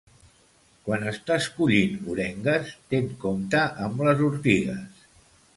Quan estàs collint orengues, ten compte amb les ortigues.